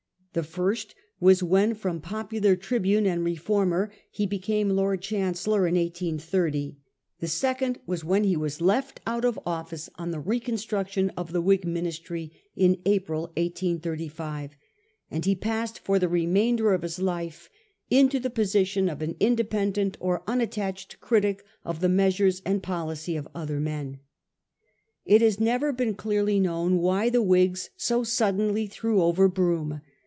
The first was when from popu lar tribune and reformer he became Lord Chancellor in 1830 ; the second was when he was left out of office on the reconstruction of the "Whig Ministry in April 1885, and he passed for the remainder of his life into the position of an independent or unattached critic of the measures and policy of other men. It has never been clearly known why the Whigs so suddenly threw over Brougham.